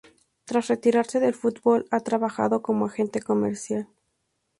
Tras retirarse del fútbol ha trabajado como agente comercial.